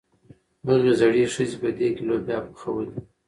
هغې زړې ښځې په دېګ کې لوبیا پخولې.